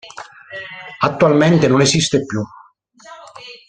Attualmente non esiste più.